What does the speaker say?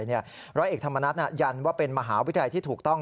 ร้อยเอกธรรมนัฐยันว่าเป็นมหาวิทยาลัยที่ถูกต้อง